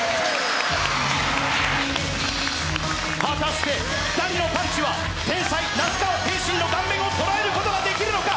果たして２人のタッチは天才・那須川天心の顔面を捉えることができるのか。